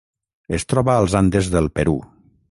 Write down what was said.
Es troba als Andes del Perú.